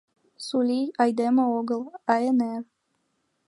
Сулий айдеме огыл, а эҥер.